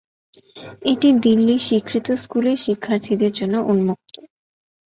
এটি দিল্লির স্বীকৃত স্কুলের শিক্ষার্থীদের জন্য উন্মুক্ত।